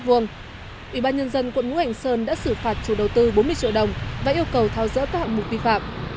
ủy ban nhân dân quận ngũ hành sơn đã xử phạt chủ đầu tư bốn mươi triệu đồng và yêu cầu thao dỡ các hạng mục vi phạm